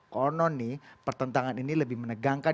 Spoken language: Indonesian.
konon nih pertentangan ini lebih menegangkan